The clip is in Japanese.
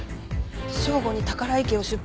「正午に宝居家を出発」